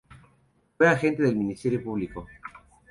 Fue agente del Ministerio Público.